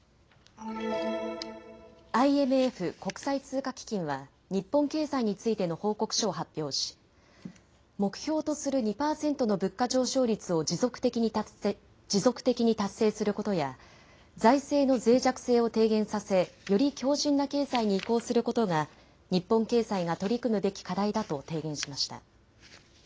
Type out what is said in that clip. ＩＭＦ・国際通貨基金は日本経済についての報告書を発表し目標とする２％の物価上昇率を持続的に達成することや財政のぜい弱性を低減させより強じんな経済に移行することが日本経済が取り組むべき課題だと提言しました。